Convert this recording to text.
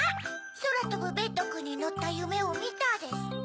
「そらとぶベッドくんにのったゆめをみた」ですって？